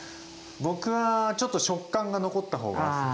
僕はちょっと食感が残った方が好きですね。